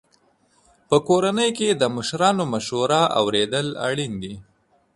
په کورنۍ کې د مشرانو مشوره اورېدل اړین دي.